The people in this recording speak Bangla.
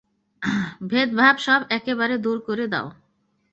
ভেদভাব সব একেবারে দূর করে দাও।